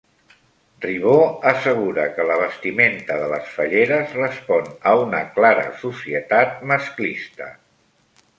Ribó assegura que la vestimenta de les falleres respon a una clara societat masclista